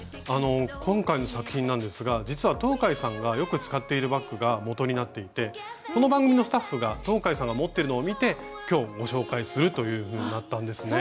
今回の作品なんですが実は東海さんがよく使っているバッグがもとになっていてこの番組のスタッフが東海さんが持っているのを見て今日ご紹介するというふうになったんですね。